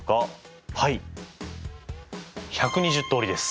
はい１２０通りです。